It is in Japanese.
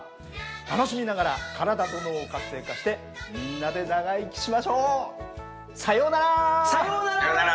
楽しみながら体と脳を活性化してみんなで長生きしましょう！さようなら。